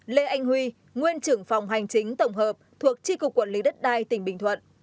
năm lê anh huy nguyên trưởng phòng hành chính tổng hợp thuộc tri cục quản lý đất đai tỉnh bình thuận